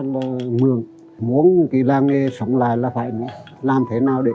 là mượn muốn cái làng nghề sống lại là phải làm thế nào để